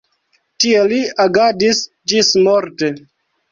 Tie li agadis ĝismorte.